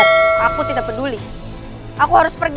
kamu sudah bisa mengharuskan kendvy